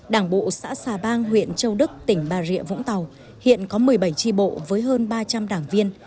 đảng bộ xã xà bang huyện châu đức tỉnh bà rịa vũng tàu hiện có một mươi bảy tri bộ với hơn ba trăm linh đảng viên